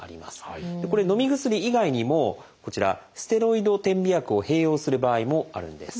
これのみ薬以外にもこちらステロイド点鼻薬を併用する場合もあるんです。